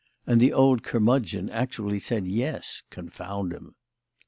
and the old curmudgeon actually said "yes" confound him!